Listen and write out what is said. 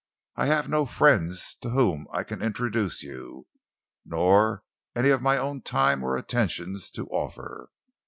I have no friends to whom I can introduce you, nor any of my own time or attentions to offer.